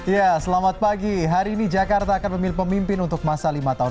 ya selamat pagi hari ini jakarta akan memilih pemimpin untuk masa lima tahun